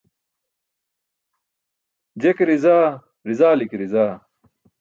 Je ke rizaa, rizali ke rizaa.